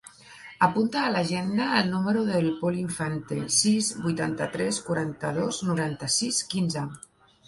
Apunta a l'agenda el número del Pol Infante: sis, vuitanta-tres, quaranta-dos, noranta-sis, quinze.